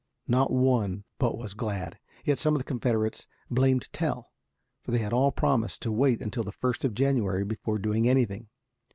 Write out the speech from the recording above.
Not one but was glad, yet some of the Confederates blamed Tell, for they had all promised to wait until the first of January before doing anything.